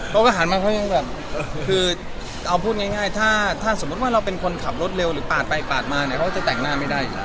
เขาก็หันมาเขายังแบบคือเอาพูดง่ายถ้าสมมุติว่าเราเป็นคนขับรถเร็วหรือปาดไปปาดมาเนี่ยเขาจะแต่งหน้าไม่ได้อยู่แล้ว